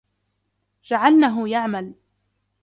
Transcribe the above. جعلنه يعمل